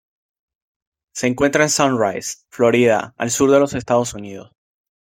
Se encuentra en Sunrise, Florida al sur de Estados Unidos.